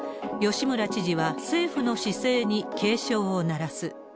吉村知事は、政府の姿勢に警鐘を鳴らす。